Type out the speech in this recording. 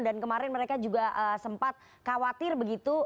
dan kemarin mereka juga sempat khawatir begitu